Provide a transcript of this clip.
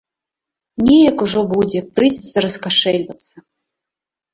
Неяк ужо будзе, прыйдзецца раскашэльвацца.